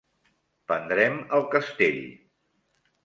Pendrem el castell.